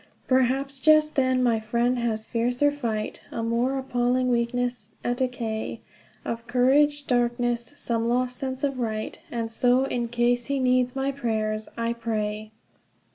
Perhaps just then my friend has fiercer fight, A more appalling weakness, a decay Of courage, darkness, some lost sense of right; And so, in case he needs my prayers I pray."